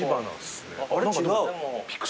違う。